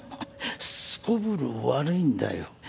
すこぶる悪いんだよ。